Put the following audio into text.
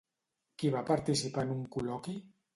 Qui va participar en un col·loqui?